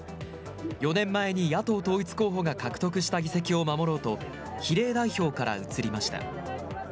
４年前に野党統一候補が獲得した議席を守ろうと比例代表から移りました。